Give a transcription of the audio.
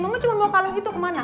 mama cuma mau kalung itu kemana